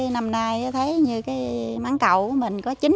năm nay thấy mảng cầu của mình có chín